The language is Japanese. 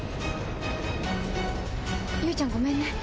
有以ちゃんごめんね。